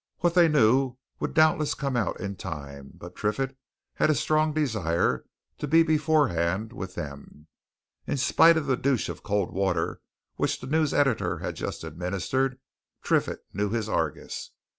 What they knew would doubtless come out in time, but Triffitt had a strong desire to be beforehand with them. In spite of the douche of cold water which the news editor had just administered, Triffitt knew his Argus.